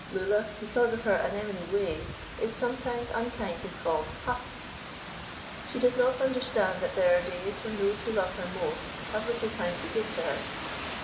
Lulla, because of her anemone ways, is sometimes unkindly called "Huffs." She does not understand that there are days when those who love her most have little time to give to her.